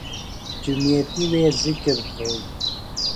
جُمیتیۡ وے ذکِر تھوئی